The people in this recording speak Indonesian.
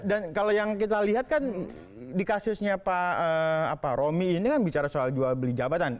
dan kalau yang kita lihat kan di kasusnya pak romy ini kan bicara soal jual beli jabatan